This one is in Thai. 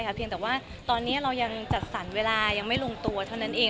เพียงแต่ว่าตอนนี้เรายังจัดสรรเวลายังไม่ลงตัวเท่านั้นเอง